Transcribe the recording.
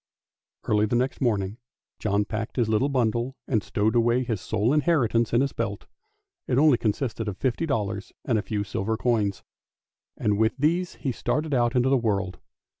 Early next morning John packed his little bundle and stowed away his sole inheritance in his belt; it only consisted of fifty dollars and a few silver coins, and with these he started out into the world.